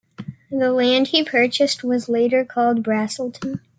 The land he purchased was later called Braselton.